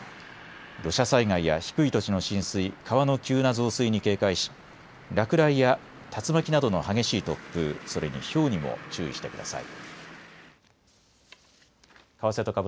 土砂災害や低い土地の浸水、川の急な増水に警戒し落雷や竜巻などの激しい突風、それにひょうにも注意してください。